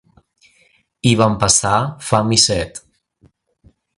Hi van passar fam i set.